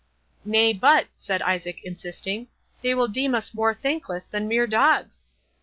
"Nay, but," said Isaac, insisting, "they will deem us more thankless than mere dogs!"